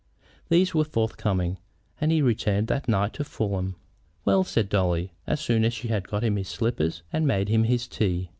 These were forthcoming, and he returned that night to Fulham. "Well?" said Dolly, as soon as she had got him his slippers and made him his tea.